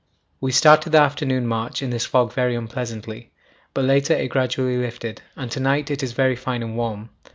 We started the afternoon march in this fog very unpleasantly, but later it gradually lifted, and to night it is very fine and warm.